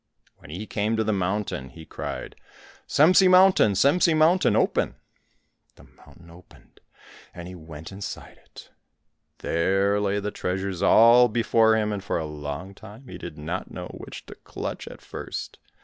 When he came to the mountain he cried, "Semsi mountain, Semsi mountain, open." The mountain opened, and he went inside it. There lay the treasures all before him, and for a long time he did not know which to clutch at first.